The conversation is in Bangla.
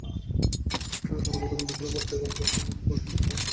তাঁরা গতকাল দুপুরে বাড্ডায় আফতাবনগর-সংলগ্ন প্রগতি সরণিতে প্রতিবাদ কর্মসূচি পালন করেন।